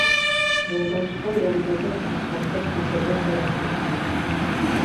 Юлдашҡа яңғыҙы ғына ҡайтып китергә тура килде.